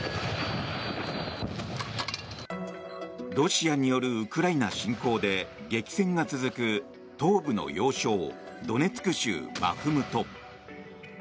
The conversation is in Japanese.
ロシアによるウクライナ侵攻で激戦が続く東部の要衝ドネツク州バフムト。